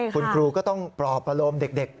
คุณครูก็ต้องปลอบอารมณ์เด็ก